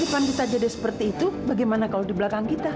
kalau kita jadi seperti itu bagaimana kalau di belakang kita